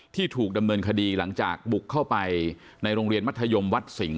ถูกดำเนินคดีหลังจากบุกเข้าไปในโรงเรียนมัธยมวัดสิงห